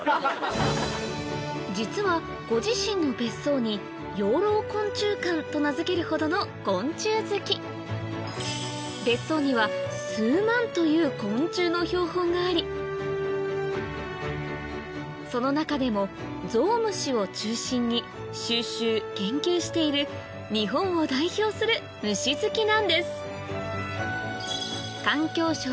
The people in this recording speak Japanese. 実はご自身の別荘に「養老昆虫館」と名付けるほどの昆虫好き別荘には数万という昆虫の標本がありその中でもゾウムシを中心に収集・研究している日本を代表する虫好きなんです環境省